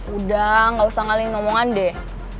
udah nggak usah ngalihin omongan deh